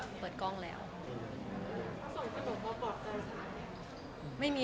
แฟนคลับของคุณไม่ควรเราอะไรไง